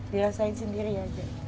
dirasain sendiri aja